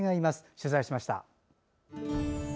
取材しました。